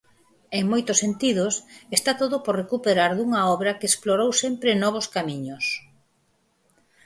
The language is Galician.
En moitos sentidos, está todo por recuperar dunha obra que explorou sempre novos camiños.